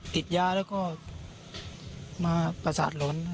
ติดยาแล้วก็มาประสาทหลอน